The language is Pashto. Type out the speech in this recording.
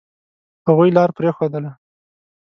هغوی لار پرېښودله.